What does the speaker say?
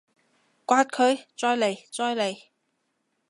摑佢！再嚟！再嚟！